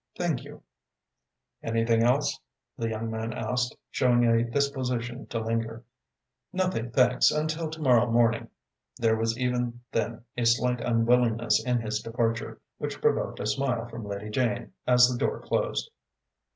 "Thank you." "Anything else?" the young man asked, showing a disposition to linger. "Nothing, thanks, until to morrow morning." There was even then a slight unwillingness in his departure, which provoked a smile from Lady Jane as the door closed.